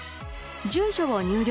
住所を入力